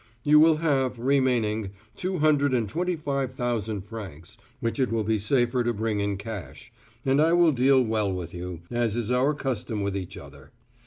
You will have, remaining, two hundred and twenty five thousand francs, which it will be safer to bring in cash, and I will deal well with you, as is our custom with each other.